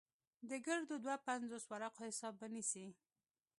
د ګردو دوه پينځوس ورقو حساب به نيسې.